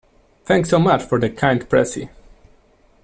Thanks so much for the kind pressie.